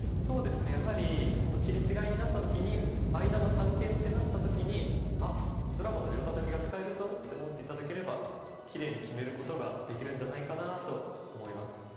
そうですねやはり切り違いになった時に間の三間ってなった時に「あっドラゴンの両タタキが使えるぞ」って思って頂ければきれいに決めることができるんじゃないかなと思います。